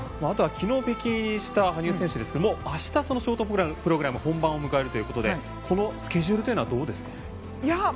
あと、昨日北京入りした羽生選手ですが明日、そのショートプログラム本番を迎えるということでこのスケジュールというのはどうですか？